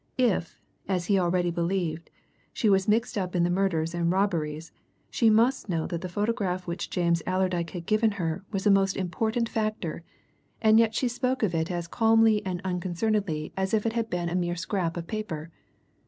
If, as he already believed, she was mixed up in the murders and robberies, she must know that the photograph which James Allerdyke had given her was a most important factor, and yet she spoke of it as calmly and unconcernedly as if it had been a mere scrap of paper!